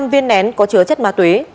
một trăm linh viên nén có chứa chất ma túy